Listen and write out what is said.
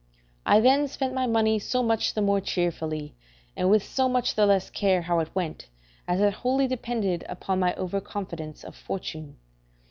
I then spent my money so much the more cheerfully, and with so much the less care how it went, as it wholly depended upon my overconfidence of fortune.